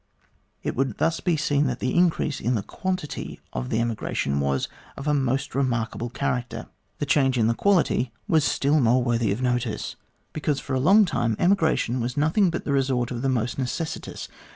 It would thus be seen that the increase in the quantity of the emigration was of a most re markable character. The change in the quality was still more 260 THE GLADSTONE COLONY worthy of notice, because for a long time emigration was nothing but the resort of the most necessitous.